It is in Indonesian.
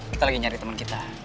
kita lagi nyari teman kita